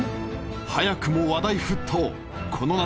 早くも話題沸騰この夏